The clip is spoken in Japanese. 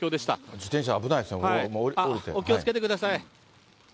自転車危ないですね、お気をつけてください。